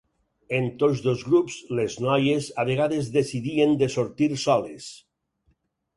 En tots dos grups, les noies a vegades decidien de sortir soles.